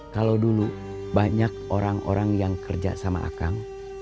kalau dulu banyak orang orang yang kerja sama akang